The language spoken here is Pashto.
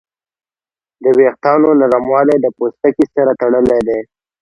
د وېښتیانو نرموالی د پوستکي سره تړلی دی.